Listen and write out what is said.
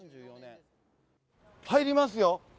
入りますよ！